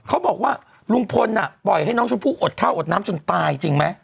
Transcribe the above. เขาบอกว่าลุงพลปล่อยให้น้องชมพู่อดข้าวอดน้ำจนตายจริงไหม